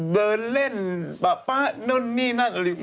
เดินเล่นแบบปะนั่นนี่นั่นนั่น